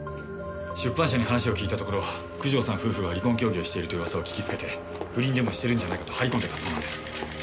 出版社に話を聞いたところ九条さん夫婦が離婚協議をしているという噂を聞きつけて不倫でもしてるんじゃないかと張り込んでたそうなんです。